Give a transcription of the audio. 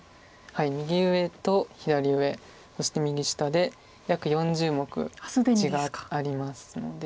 右上と左上そして右下で約４０目地がありますので。